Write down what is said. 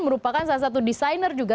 merupakan salah satu desainer juga